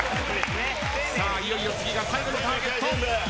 いよいよ次が最後のターゲット。